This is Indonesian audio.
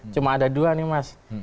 cuma ada dua nih mas